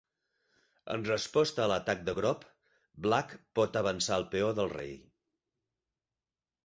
En resposta a l'atac de Grob, Black pot avançar el peó del rei.